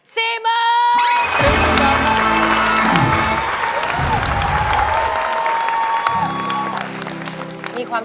สู้ครับ